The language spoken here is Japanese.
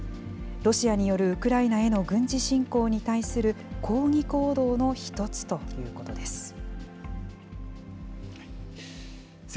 ロシアによるウクライナへの軍事侵攻に対する抗議行動の一つということです。